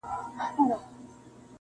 د پردي زوی څخه خپله لور ښه ده -